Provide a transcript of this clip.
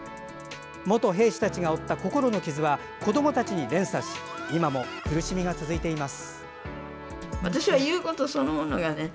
元兵士たちが負った心の傷は子どもたちに連鎖し今も苦しみが続いています。